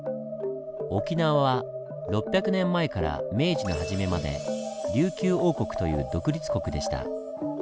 沖縄は６００年前から明治の初めまで「琉球王国」という独立国でした。